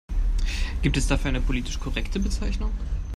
Gibt es dafür eine politisch korrekte Bezeichnung?